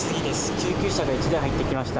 救急車が１台入ってきました。